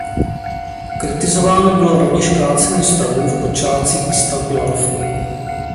Kritizováno bylo rovněž kácení stromů v počátcích výstavby lanovky.